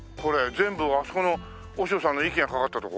全部あそこの和尚さんの息がかかったとこ？